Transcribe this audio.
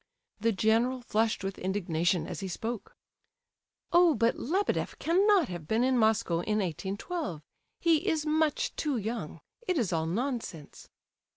The general flushed with indignation as he spoke. "Oh, but Lebedeff cannot have been in Moscow in 1812. He is much too young; it is all nonsense."